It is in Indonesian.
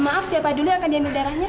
maaf siapa dulu yang akan diambil darahnya